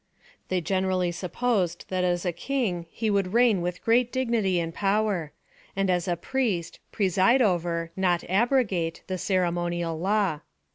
They generally supposed that as a king he would reign with great dignity and power ; and as a priest, preside over, not abrogate, the cere monial law.